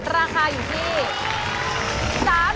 ราคาอยู่ที่๓๐บาท